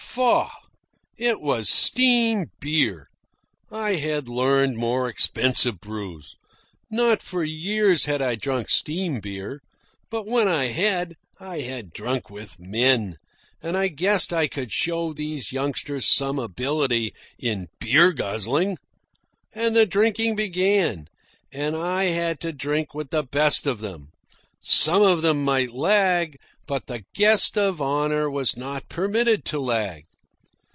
Faugh! it was steam beer. I had learned more expensive brews. Not for years had I drunk steam beer; but when I had, I had drunk with men, and I guessed I could show these youngsters some ability in beer guzzling. And the drinking began, and I had to drink with the best of them. Some of them might lag, but the guest of honour was not permitted to lag.